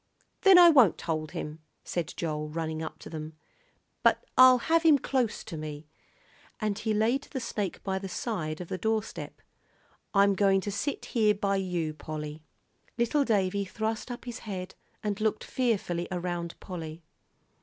"Then I won't hold him," said Joel, running up to them, "but I'll have him close to me," and he laid the snake by the side of the doorstep. "I'm going to sit here by you, Polly." Little Davie thrust up his head and looked fearfully around Polly.